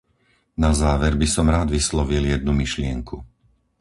Na záver by som rád vyslovil jednu myšlienku.